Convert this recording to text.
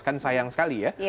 kan sayang sekali ya